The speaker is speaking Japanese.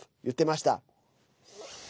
言っていました。